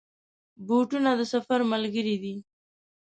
بوټونه د سفر ملګري دي.